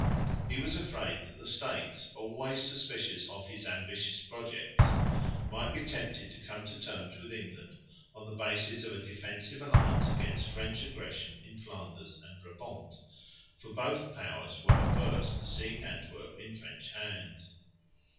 He was afraid that the States, always suspicious of his ambitious projects, might be tempted to come to terms with England on the basis of a defensive alliance against French aggression in Flanders and Brabant, for both powers were averse to seeing Antwerp in French hands.